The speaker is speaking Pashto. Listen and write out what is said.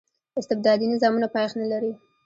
استبدادي نظامونه پایښت نه لري.